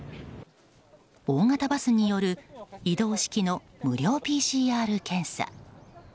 大型バスによる移動式の無料ＰＣＲ検査。